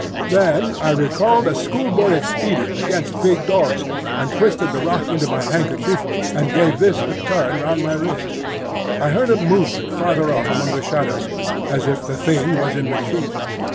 Then I recalled a schoolboy expedient against big dogs, and twisted the rock into my handkerchief, and gave this a turn round my wrist. I heard a movement further off among the shadows, as if the Thing was in retreat.